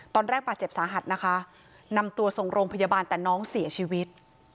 ตอนแรกบาดเจ็บสาหัสนะคะนำตัวส่งโรงพยาบาลแต่น้องเสียชีวิต